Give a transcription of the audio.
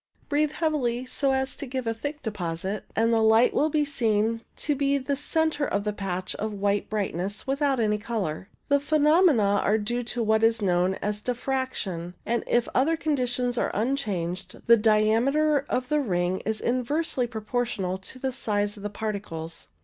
Breathe heavily so as to give a thick deposit, and the light will be seen to be the centre of a patch of white brightness without any colour. The phenomena are due to what is known as diffraction, and if the other conditions are unchanged the diameter of the ring is inversely proportional to the size of the particles.